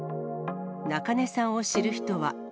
中根さんを知る人は。